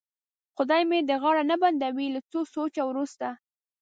خدای مې دې غاړه نه بندوي، له څه سوچه وروسته.